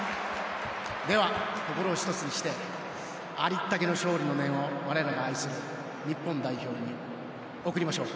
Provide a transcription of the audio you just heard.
では、心を１つにしてありったけの勝利の念を我らが愛する日本代表に送りましょう。